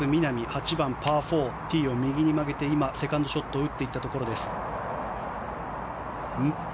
８番パー４、ティーを右に曲げて今、セカンドショットを打っていったところです。